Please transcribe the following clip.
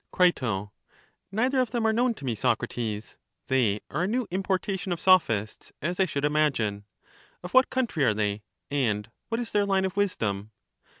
CrL Neither of them are known to me, Socrates; they are a new importation of Sophists, as I should imagine. Of what country are they, and what is their line of wisdom